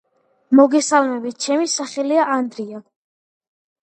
მოგესალმებით ჩემი სახელია ანდრია